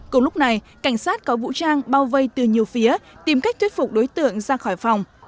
cùng lúc này cảnh sát có vũ trang bao vây từ nhiều phía tìm cách thuyết phục đối tượng ra khỏi phòng